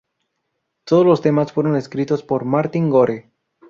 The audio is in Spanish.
Todos los temas fueron escritos por Martin Gore.